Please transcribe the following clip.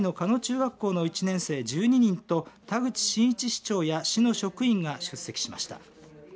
学校の１年生１２人と田口伸一市長や市の職員が出席しました。